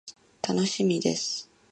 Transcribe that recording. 楽しみです。